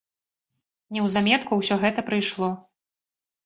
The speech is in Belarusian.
Неўзаметку ўсё гэта прыйшло.